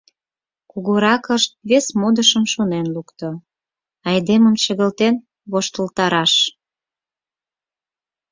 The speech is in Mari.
Кугуракышт вес модышым шонен лукто: айдемым чыгылтен воштылтараш.